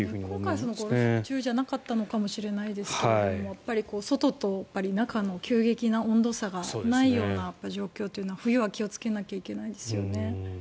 今回、ゴルフ中じゃなかったのかもしれませんが外と中の急激な温度差がないような状況というのは冬は気をつけないといけないですよね。